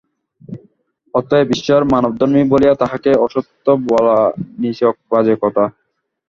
অতএব ঈশ্বর মানবধর্মী বলিয়া তাঁহাকে অসত্য বলা নিছক বাজে কথা।